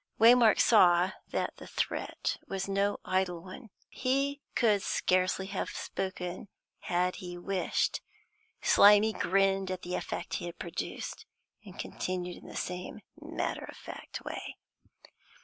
Waymark saw that the threat was no idle one. He could scarcely have spoken, had he wished. Slimy grinned at the effect he had produced, and continued in the same matter of fact way.